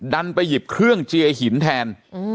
ดันไปหยิบเครื่องเจียหินแทน